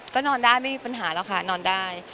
ก็นอนได้ไม่มีปัญหาหรอกค่ะนอนได้